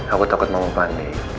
aku takut mama panik